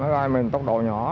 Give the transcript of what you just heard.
bây giờ mình tốc độ nhỏ